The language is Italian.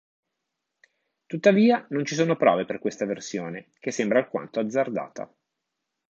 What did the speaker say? Tuttavia non ci sono prove per questa versione, che sembra alquanto azzardata.